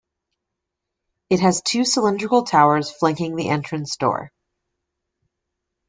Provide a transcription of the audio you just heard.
It has two cylindrical towers flanking the entrance door.